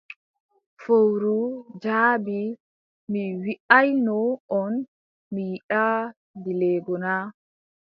Fowru jaabi: Mi wiʼaayno on, mi yiɗaa dileego na?